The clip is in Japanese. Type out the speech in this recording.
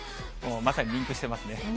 まさにリンクしてますね。